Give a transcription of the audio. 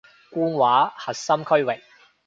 官話核心區域